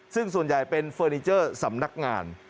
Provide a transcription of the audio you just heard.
ซึ่งส่วนใหญ่เป็นเฟอร์นิเจอร์สำนักงาน